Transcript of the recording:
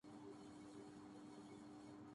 اپنے گھر کو صاف ستھرا رکھا کرو